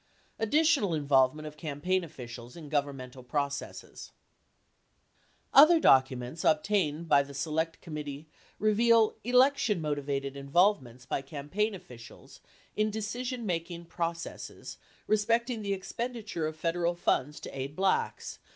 ADDITIONAL INVOLVEMENT OF CAMPAIGN OFFICIALS IN GOVERNMENTAL PROCESSES Other documents obtained by the Select Committee reveal election motivated involvements by campaign officials in decisionmaking proc esses respecting the expenditure of Federal funds to aid blacks.